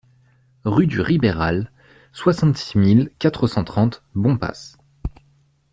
Rue du Ribéral, soixante-six mille quatre cent trente Bompas